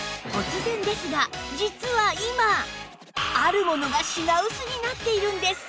実は今あるものが品薄になっているんです